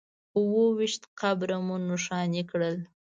اووه ویشت قبره مو نښانې کړل.